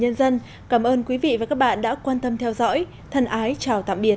nhân dân cảm ơn quý vị và các bạn đã quan tâm theo dõi thân ái chào tạm biệt